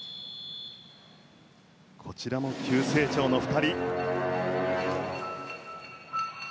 こちらも急成長の２人。